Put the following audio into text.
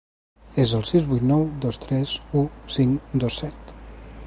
És el sis vuit nou dos tres u cinc dos set.